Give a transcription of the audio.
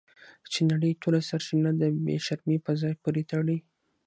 چې نړۍ یې ټول سرچینه د بې شرمۍ په ځای پورې تړي.